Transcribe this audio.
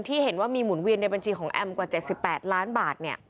เห็นว่ามีหมุนเวียนในบัญชีของแอมกว่า๗๘ล้านบาท